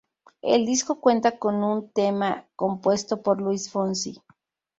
El disco cuenta con un tema compuesto por Luis Fonsi.